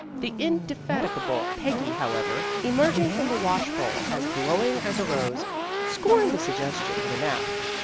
The indefatigable Peggy however, emerging from the wash bowl as glowing as a rose, scorned the suggestion of a nap.